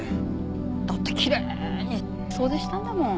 だってきれいに掃除したんだもん。